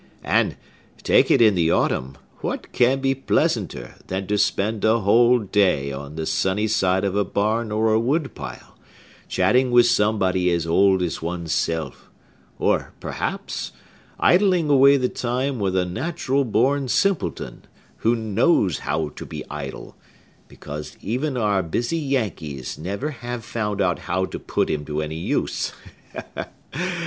And, take it in the autumn, what can be pleasanter than to spend a whole day on the sunny side of a barn or a wood pile, chatting with somebody as old as one's self; or, perhaps, idling away the time with a natural born simpleton, who knows how to be idle, because even our busy Yankees never have found out how to put him to any use?